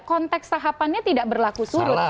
konteks tahapannya tidak berlaku surut